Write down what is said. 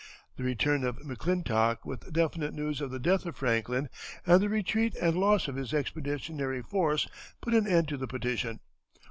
The return of McClintock with definite news of the death of Franklin, and the retreat and loss of his expeditionary force, put an end to the petition.